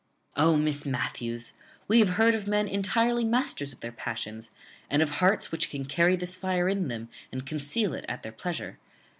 "O, Miss Matthews! we have heard of men entirely masters of their passions, and of hearts which can carry this fire in them, and conceal it at their pleasure.